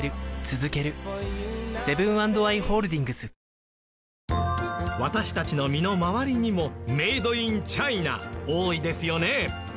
さらに中国は私たちの身の回りにもメイド・イン・チャイナ多いですよね。